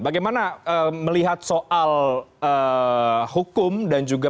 bagaimana melihat soal hukum dan juga